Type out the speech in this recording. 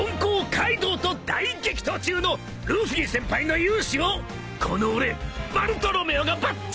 カイドウと大激闘中のルフィ先輩の勇姿をこの俺バルトロメオがばっちり紹介するべ！